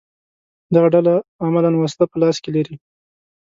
دغه ډله عملاً وسله په لاس کې لري